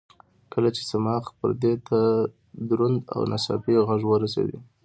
کله چې صماخ پردې ته دروند او ناڅاپي غږ ورسېږي.